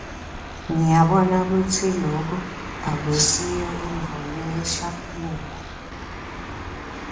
Ngiyabona kutsi loku akusiyo intfo lensha kubo.